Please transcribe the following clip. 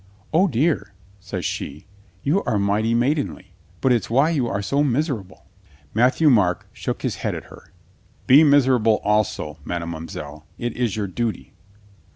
"O, dear," says she, "you are mighty maidenly. Maybe it's why you are so miserable." Matthieu Marc shook his head at her. "Be mis erable also, mademoiselle. It is your duty."